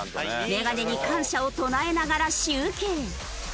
メガネに感謝を唱えながら集計。